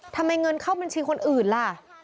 เงินเข้าบัญชีคนอื่นล่ะ